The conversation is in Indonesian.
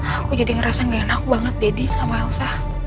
aku jadi ngerasa gak enak banget deddy sama elsa